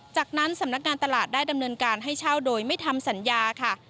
จากนั้นสำนักงานตลาดได้ดำเนินการให้เช่าโดยไม่ทำสัญญาค่ะ